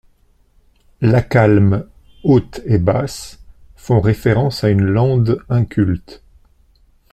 Lacalm, haute et basse, font référence à une lande inculte.